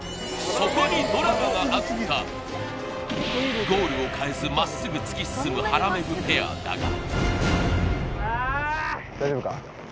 そこにドラマがあったゴールを変えずまっすぐ突き進むはらめぐペアだがあー！